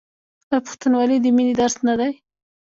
آیا پښتونولي د مینې درس نه دی؟